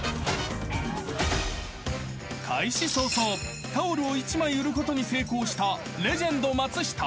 ［開始早々タオルを１枚売ることに成功したレジェンド松下。